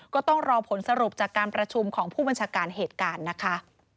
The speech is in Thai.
ก็ต้องรอผลสรุปจากการประชุมของผู้บัญชาการเหตุการณ์นะคะ